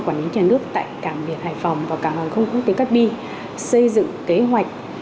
quản lý nhà nước tại cảng biển hải phòng và cảng hàng không quốc tế cát bi xây dựng kế hoạch